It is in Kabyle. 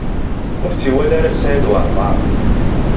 Ur tt-iwala ara Saɛid Waɛmaṛ.